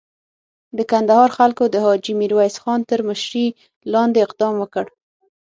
د کندهار خلکو د حاجي میرویس خان تر مشري لاندې اقدام وکړ.